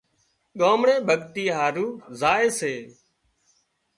ڳامڙي ڀڳتي هارو زائي سي